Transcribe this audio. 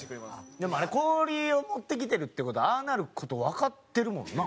でもあれ氷を持ってきてるって事はああなる事わかってるもんな？